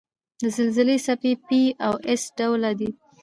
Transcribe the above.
د زلزلې څپې P او S ډوله دي.